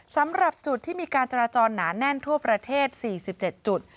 สำหรับจุดที่มีการจราจรหนาแน่นทั่วประเทศ๔๗จุด